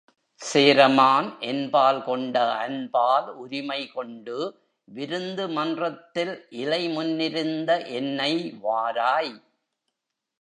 சேரமான், என்பால் கொண்ட அன்பால் உரிமைகொண்டு, விருந்து மன்றத்தில் இலைமுன்னிருந்த என்னை வாராய்!